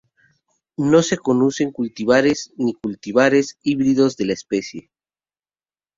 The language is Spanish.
No se conocen cultivares ni cultivares híbridos de la especie.